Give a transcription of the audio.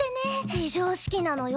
非常識なのよ。